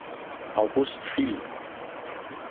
August fiel.